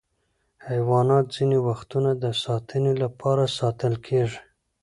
حیوانات ځینې وختونه د ساتنې لپاره ساتل کېږي.